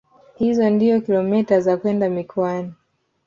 Hizo ndio kilomita za kwenda mikoani